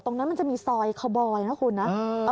ตรงนั้นมันจะมีซอยคอบอยนะคุณนะ